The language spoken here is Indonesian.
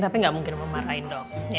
tapi gak mungkin memarahin dong